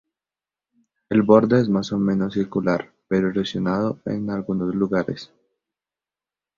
El borde es más o menos circular, pero erosionado en algunos lugares.